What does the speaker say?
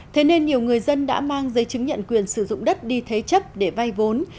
thế nên nhiều người dân đã mang giấy chứng nhận quyền sử dụng đất đi thế chấp để vay vốn